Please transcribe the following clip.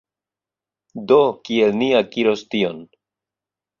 Do, kiel ni akiros tion